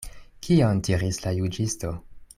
Kion diris la juĝisto?